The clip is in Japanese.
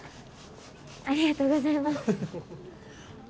ありがとうございます。